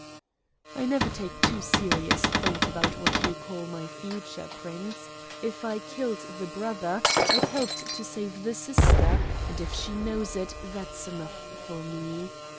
"I never take too serious thought about what you call my future, Prince. If I killed the brother, I've helped to save the sister, and, if she knows it, that's enough for me."